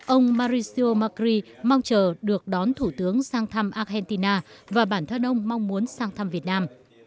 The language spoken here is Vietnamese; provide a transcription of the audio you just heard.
ông maricio macri mong chờ được đón thủ tướng sang thăm argentina và bản thân ông mong muốn sang thăm việt nam